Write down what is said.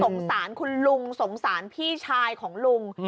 สงสารคุณลุงสงสารพี่ชายของลุง